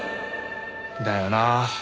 だよな。